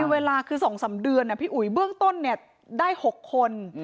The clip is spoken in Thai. เวลาคือ๒๓เดือนพี่อุ๋ยเบื้องต้นได้๖คน